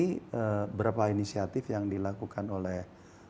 ini berapa inisiatif yang dilakukan oleh